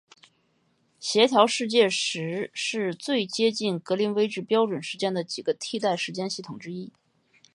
协调世界时是最接近格林威治标准时间的几个替代时间系统之一。